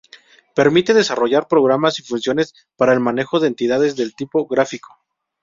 Permite desarrollar programas y funciones para el manejo de entidades del tipo gráfico.